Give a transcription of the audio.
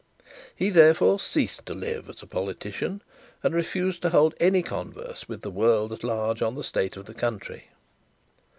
He therefore ceased to live as a politician, and refused to hold any converse with the world at large on the state of the country.